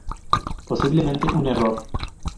Posiblemente un error.